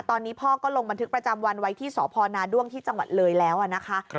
ตอนนี้พ่อก็ลงบันทึกประจำวันไว้ที่สพนาด้วงที่จังหวัดเลยแล้วนะคะ